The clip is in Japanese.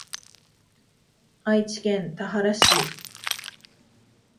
愛知県田原市